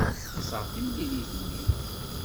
Nexṣer timlilit-nni.